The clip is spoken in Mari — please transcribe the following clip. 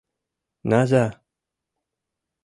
— Наза!..